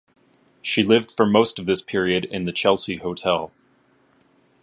She lived for most of this period in the Chelsea Hotel.